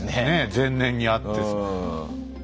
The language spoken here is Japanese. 前年にあって。